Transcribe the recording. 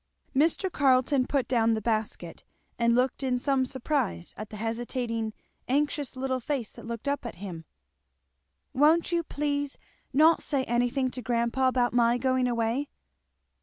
Mr. Carleton put down his basket, and looked in some surprise at the hesitating anxious little face that looked up at him. "Won't you please not say anything to grandpa about my going away?"